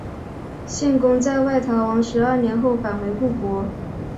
献公在外逃亡十二年后返回故国。